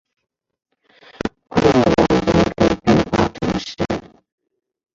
库朗人口变化图示